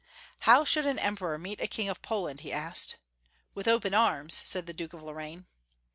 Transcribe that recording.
"How should an Emperor meet a King of Poland?" he asked. "With open arms," said the Duke of Lorraine.